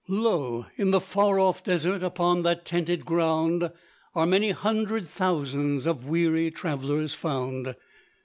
Lo! in the far off desert, Upon that tented ground, Are many hundred thousands Of weary travellers found.